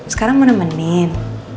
sekarang mau nemenin